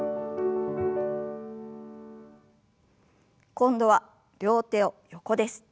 今度は両手を横です。